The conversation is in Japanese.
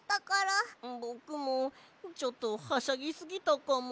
ぼくもちょっとはしゃぎすぎたかも。